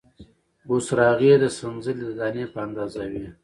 بوسراغې یې د سنځلې د دانې په اندازه وې،